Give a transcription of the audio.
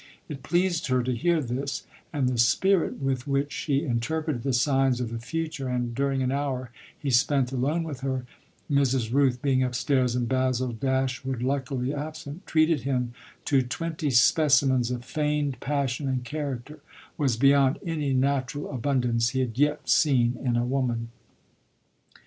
It pleased her to hear this, and the spirit with which she interpreted the signs of the future and, during an hour he spent alone with her, Mrs. Rooth being upstairs and Basil Dashwood luckily absent, treated him to twenty specimens of feigned passion and character, was beyond any natural abundance he had yet seen in a woman.